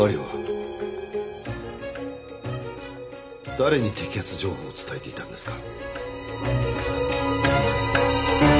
誰に摘発情報を伝えていたんですか？